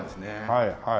はいはい。